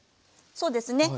そうですね。